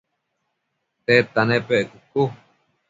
tedta nepec?cucu